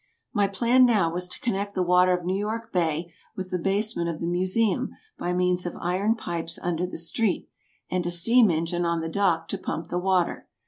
My plan now was to connect the water of New York bay with the basement of the Museum by means of iron pipes under the street, and a steam engine on the dock to pump the water.